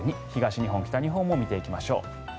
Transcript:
東日本、北日本も見てきましょう。